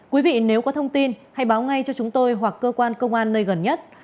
quý vị nếu có thông tin hãy báo ngay cho chúng tôi hoặc cơ quan công an nơi gần nhất